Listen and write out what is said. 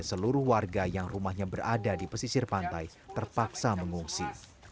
seluruh warga yang rumahnya berada di pesisir pantai terpaksa mengungsi